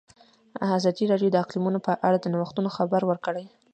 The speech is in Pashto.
ازادي راډیو د اقلیتونه په اړه د نوښتونو خبر ورکړی.